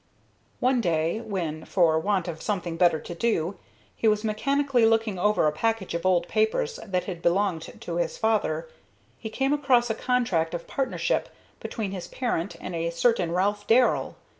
One day, when, for want of something better to do, he was mechanically looking over a package of old papers that had belonged to his father, he came across a contract of partnership between his parent and a certain Ralph Darrell.